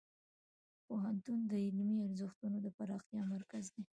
پوهنتون د علمي ارزښتونو د پراختیا مرکز دی.